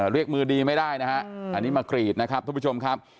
เรียกมือดีไม่ได้นะฮะอันนี้มากรีดนะครับทุกผู้ชมครับ